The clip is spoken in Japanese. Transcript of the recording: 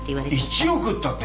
１億ったって！？